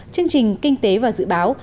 chương trình kinh tế và dự báo